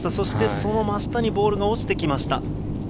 その真下にボールが落ちました。